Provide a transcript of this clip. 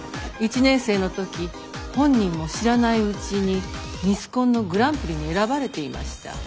１年生の時本人も知らないうちにミスコンのグランプリに選ばれていました。